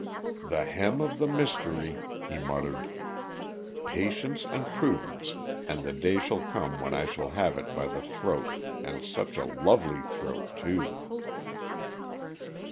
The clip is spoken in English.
"The hem of the mystery," he muttered. "Patience and prudence, and the day shall come when I shall have it by the throat, and such a lovely throat, too!"